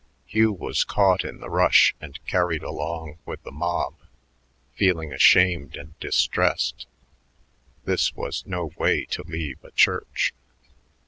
Hugh was caught in the rush and carried along with the mob, feeling ashamed and distressed; this was no way to leave a church.